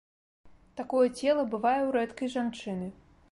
Такое цела бывае ў рэдкай жанчыны.